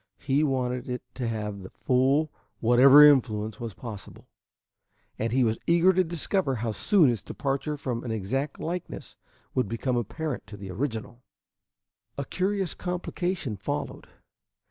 He wanted it to have to the full whatever influence was possible, and he was eager to discover how soon its departure from an exact likeness would become apparent to the original. A curious complication followed.